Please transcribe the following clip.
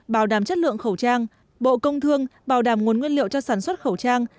bảo đảm chất lượng khẩu trang bộ công thương bảo đảm nguồn nguyên liệu cho sản xuất khẩu trang